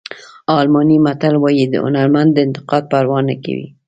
الماني متل وایي هنرمند د انتقاد پروا نه کوي.